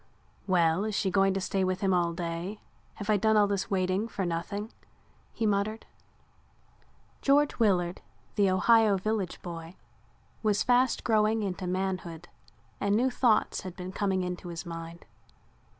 "Well, is she going to stay with him all day? Have I done all this waiting for nothing?" he muttered. George Willard, the Ohio village boy, was fast growing into manhood and new thoughts had been coming into his mind.